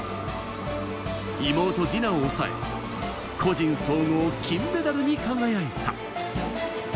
妹・ディナを抑え、個人総合金メダルに輝いた。